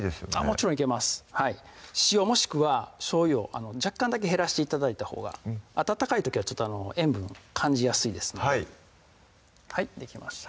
もちろんいけます塩もしくはしょうゆを若干だけ減らして頂いたほうが温かい時は塩分感じやすいですのではいできました